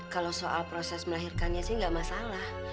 kalau soal proses melahirkannya sih nggak masalah